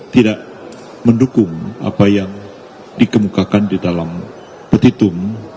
tidak mendukung apa yang dikemukakan di dalam petitum